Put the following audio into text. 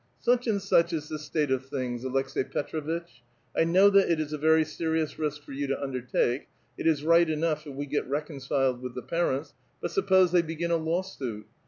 *' Such and such is the state of things, Aleks^i Petr6vitch : X know that it is a very serious risk for you to undertake ; it is right enough if we get reconciled with the parents, but suppose they begin a law suit